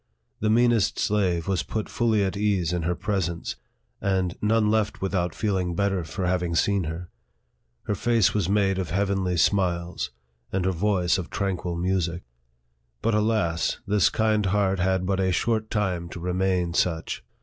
The mean est slave was put fully at ease in her presence, and none left without feeling better for having seen her. Her face was made of heavenly smiles, and her voice of tranquil music. But, alas ! this kind heart had but a short time to remain such.